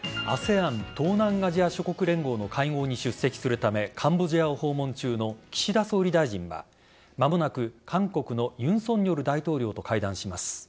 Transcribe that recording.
ＡＳＥＡＮ＝東南アジア諸国連合の会合に出席するためカンボジアを訪問中の岸田総理大臣は間もなく韓国の尹錫悦大統領と会談します。